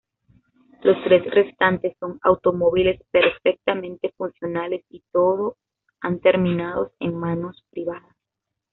Los tres restantes son automóviles perfectamente funcionales, y todos han terminado en manos privadas.